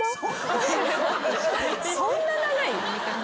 そんな長い？